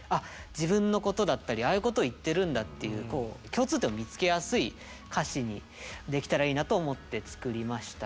自分のことだったりああいうことを言ってるんだっていう共通点を見つけやすい歌詞にできたらいいなと思って作りましたね。